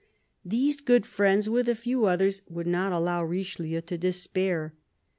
These good friends, with a few others, would not allow Richelieu to despair.